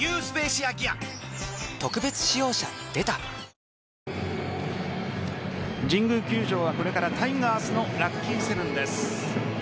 スワローズの神宮球場はこれからタイガースのラッキーセブンです。